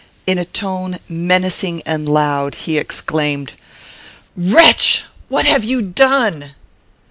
In a tone menacing and loud, he exclaimed, "Wretch! what have you done?"